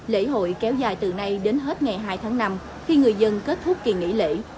lễ hội kéo dài từ nay đến hết ngày hai tháng năm khi người dân kết thúc kỳ nghỉ lễ